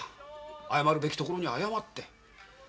謝るべきところには謝って。